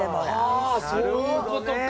はあそういうことか。